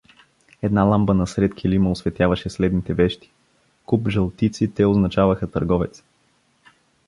Една ламба насред килима осветяваше следните вещи: Куп жълтици (те означаваха търговец).